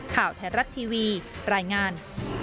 ข่าวแทรกทีวีรายงาน